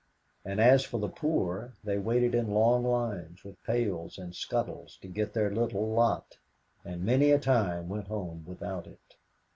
And as for the poor, they waited in long lines, with pails and scuttles, to get their little lot, and many a time went home without it.